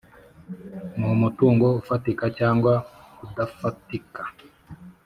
n umutungo ufatika cyangwa udafatika